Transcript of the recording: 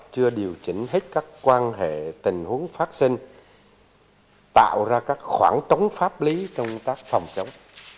chưa điều chỉnh hết các quan hệ tình huống phát sinh tạo ra các khoảng trống pháp lý trong công tác phòng chống